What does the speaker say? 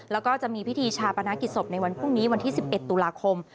แล้วก็จะมีพิธีชาปนกิจศพในวันพรุ่งนี้วันที่๑๑ตุลาคม